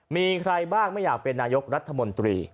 มีใครบ้างไม่อยากเป็นนายกรัฐมนตรี